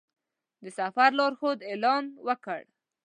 د سفر لارښود اعلان وکړ.